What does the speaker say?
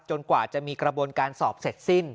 กว่าจะมีกระบวนการสอบเสร็จสิ้น